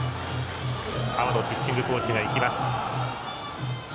阿波野ピッチングコーチがいきます。